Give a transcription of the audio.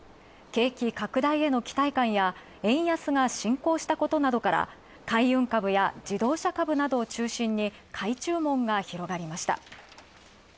景気拡大への期待感や、円安が進行したことから海運株や自動車株などを中心に買い注文が広がりました。